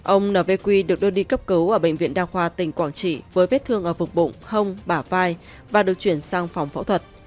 ông n vq được đưa đi cấp cứu ở bệnh viện đa khoa tỉnh quảng trị với vết thương ở vùng bụng hông bả vai và được chuyển sang phòng phẫu thuật